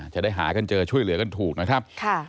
จะได้หากันเจอช่วยเหลือกันถูกนะครับ